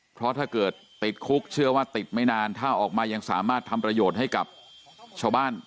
เพราะถ้าเกิดติดคุกเชื่อว่าติดไม่นานถ้าออกมายังสามารถทำประโยชน์ให้กับชาวบ้าน